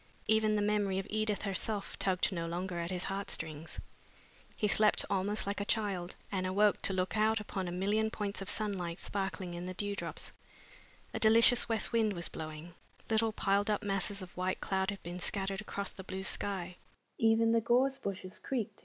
Even the memory of Edith herself tugged no longer at his heartstrings. He slept almost like a child, and awoke to look out upon a million points of sunlight sparkling in the dewdrops. A delicious west wind was blowing. Little piled up masses of white cloud had been scattered across the blue sky.